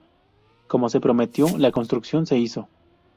Como se prometió, la construcción se hizo.